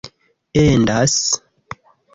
endas